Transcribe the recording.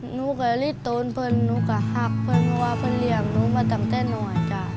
หนูก็รีดต้นหนูก็หักหนูว่าพื้นเหลี่ยงหนูมาตั้งแต่หน่อยจ้ะ